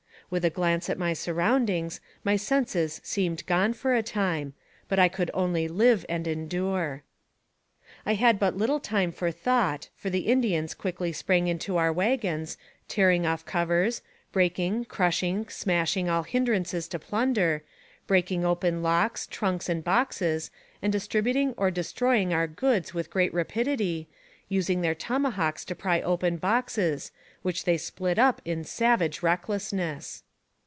With a glance at my surroundings, my senses seemed gone for a time, but I could only live and endure. I had but little time for thought, for the Indians quickly sprang into our wagons, tearing off covers, breaking, crushing, and smashing all hinderances to 26 NARRATIVE OF CAPTIVITY plunder, breaking open locks, trunks, and boxes, and distributing or destroying our goods with great rapidity, using their tomahawks to pry open boxes, which they split up in savage recklessness.